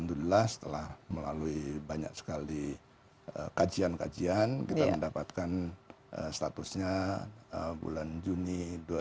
dan alhamdulillah setelah melalui banyak sekali kajian kajian kita mendapatkan statusnya bulan juni dua ribu tujuh belas